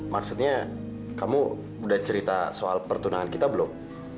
maksudnya kamu udah cerita soal pertunangan kita belum